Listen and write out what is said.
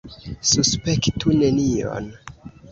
Suspektu nenion.